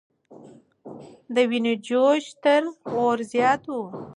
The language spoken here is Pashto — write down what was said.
د وینو جوش تر اور زیات و.